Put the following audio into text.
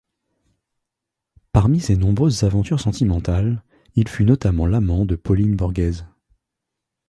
Parmi ses nombreuses aventures sentimentales, il fut notamment l'amant de Pauline Borghèse.